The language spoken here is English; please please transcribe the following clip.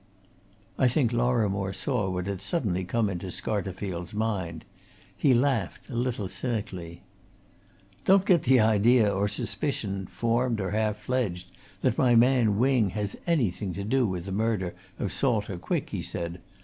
I think Lorrimore saw what had suddenly come into Scarterfield's mind. He laughed, a little cynically. "Don't get the idea, or suspicion, formed or half fledged, that my man Wing had anything to do with the murder of Salter Quick!" he said.